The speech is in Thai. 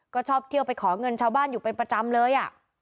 ก็ชอบเที่ยวไปขอเงินชาวบ้านอยู่เป็นประจำเลย